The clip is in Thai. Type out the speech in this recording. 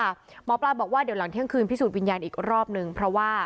หมอปลาบอกว่าเดี๋ยวหลังเที่ยงคืนพิสูจนวิญญาณอีกรอบนึงเพราะว่า